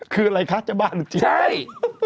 คืออะไรคะจะบ้าหรือเจี๊ยบ